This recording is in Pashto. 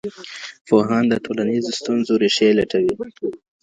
پوهان د ټولنيزو ستونزو ريښې لټوي.